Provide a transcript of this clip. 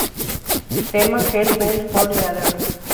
Tema: Hell Bent For Leather.